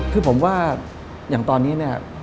คือผมว่าอย่างตอนนี้